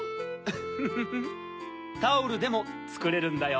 フフフタオルでもつくれるんだよ。